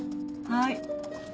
はい。